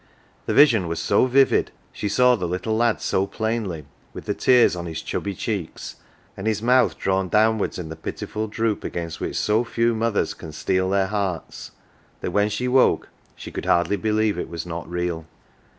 The vision was so vivid, she saw the little lad so plainly,, with the teal's on his chubby cheeks and his mouth drawn. 246 "OUR JOE" downwards in the pitiful droop against which so few mothers can steel their hearts, that when she woke she could hardly believe it was not real.